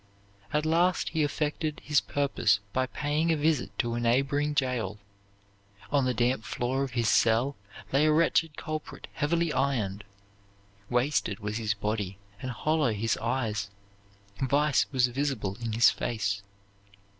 At last he effected his purpose by paying a visit to a neighboring jail. On the damp floor of his cell lay a wretched culprit heavily ironed. Wasted was his body, and hollow his eyes; vice was visible in his face.